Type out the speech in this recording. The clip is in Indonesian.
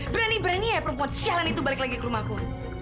berani berani ya perempuan sialan itu balik lagi ke rumahku